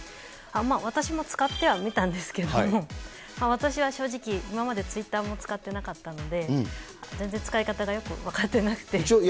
私も使ってはみたんですけども、私は正直、今までツイッターも使ってなかったので、全然使い方がよく分かってなくて。